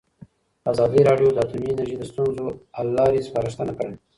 ازادي راډیو د اټومي انرژي د ستونزو حل لارې سپارښتنې کړي.